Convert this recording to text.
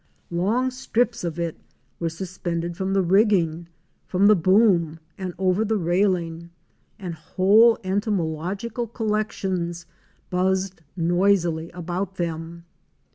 Long strips of it were suspended from the rigging, from the boom, and over the railing, and whole entomological collections buzzed noisily about them.